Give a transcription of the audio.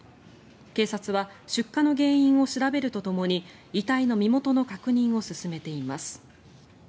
警察は出火の原因を調べるとともに遺体の身元の確認を進めています。